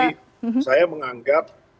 jadi saya menganggap